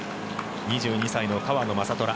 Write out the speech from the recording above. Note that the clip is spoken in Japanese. ２２歳の川野将虎。